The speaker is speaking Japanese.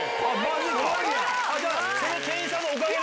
じゃあその店員さんのおかげだ。